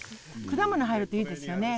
果物入るといいですよね。